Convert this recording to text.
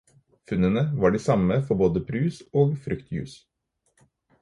Funnene var de samme for både brus og fruktjuice.